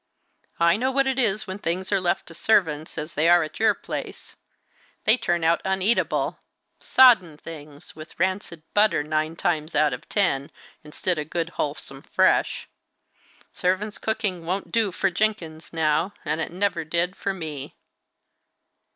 "I know what it is when things are left to servants, as they are at your place; they turn out uneatable soddened things, with rancid butter, nine times out of ten, instead of good, wholesome fresh. Servants' cooking won't do for Jenkins now, and it never did for me."